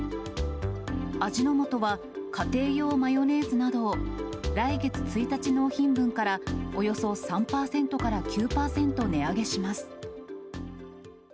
味の素は家庭用マヨネーズなどを、来月１日納品分から、およそ３％から９％値上げします。